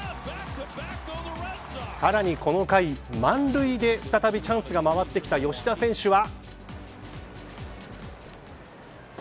さらにこの回満塁で、再びチャンスが回ってきた吉田選手は。